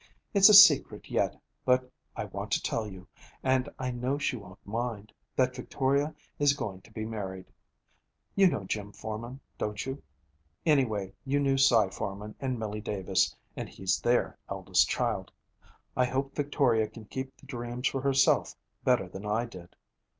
It's a secret yet, but I want to tell you, and I know she won't mind, that Victoria is going to be married. You know Jim Forman, don't you? Anyway, you knew Cy Forman and Milly Davis, and he's their eldest child. I hope Victoria can keep the dreams for herself better than I did.